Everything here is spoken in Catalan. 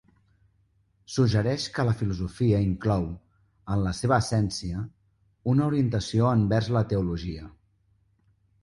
Suggereix que la filosofia inclou, en la seva essència, una orientació envers la teologia.